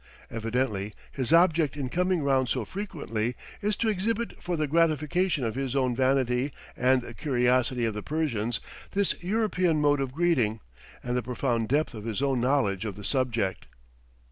Evidently his object in coming round so frequently is to exhibit for the gratification of his own vanity and the curiosity of the Persians, this European mode of greeting, and the profound depth of his own knowledge of the subject.